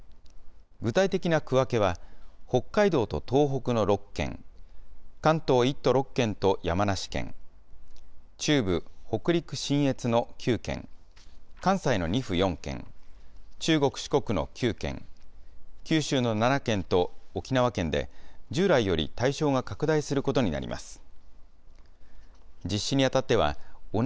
具体的な区分けは北海道と東北の６県、関東１都６県と山梨県、中部、北陸信越の９県、関西の２府４県、中国、四国の９県、九州の７県と沖縄県で、従来より対象が拡大することになります。